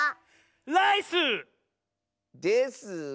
ライス！ですが。